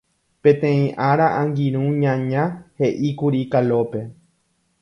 Peteĩ ára angirũ ñaña he'íkuri Kalópe.